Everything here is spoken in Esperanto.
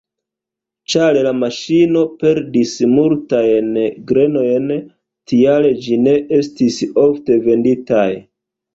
Ĉar la maŝino perdis multajn grenojn, tial ĝi ne estis ofte venditaj.